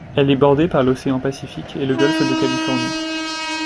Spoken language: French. Elle est bordée par l'océan Pacifique et le golfe de Californie.